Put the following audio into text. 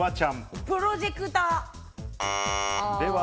プロジェクター。